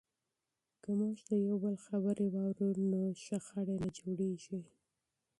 که موږ د یو بل خبرې واورو نو شخړې نه جوړیږي.